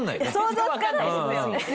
想像つかないですよね。